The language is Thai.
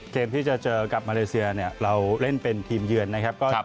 เกมที่จะเจอกับมาเลเซียเนี่ยเราเล่นเป็นทีมเยือนนะครับ